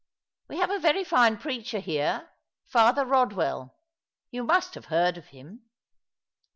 We have a very fine preacher here — Father Eodwell ; you must have heard him."